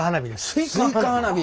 スイカ花火。